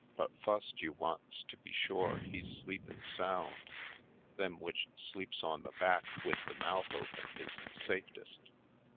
But fust you wants to be shore he's sleepin' sound. Them w'ich sleeps on the back wid the mouth open is the safetest."